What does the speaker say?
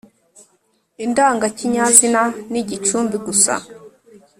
indangakinyazina n’igicumbi gusa.